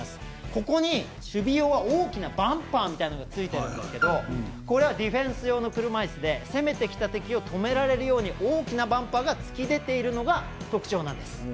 ここに、守備用は大きなバンパーがついていますがこれはディフェンス用の車いすで攻めてきた敵を止められるよう大きなバンパーが突き出ているのが特徴なんです。